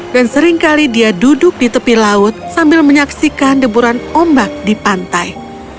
dan seringkali dia duduk di tepi laut sambil menyaksikan deburan ombak di pantai